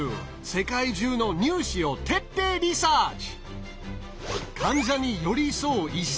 世界中の入試を徹底リサーチ！